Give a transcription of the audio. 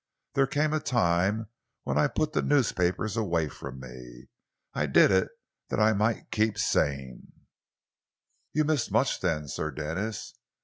"There came a time when I put the newspapers away from me. I did it that I might keep sane." "You've missed much then, Sir Denis.